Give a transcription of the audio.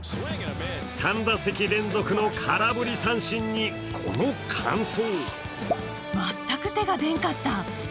３打席連続の空振り三振にこの感想。